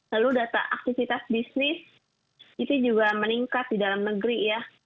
lalu data aktivitas bisnis itu juga meningkat di dalam negeri ya